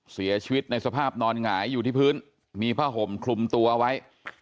เสียชีวิตในสภาพนอนหงายอยู่ที่พื้นมีผ้าห่มคลุมตัวไว้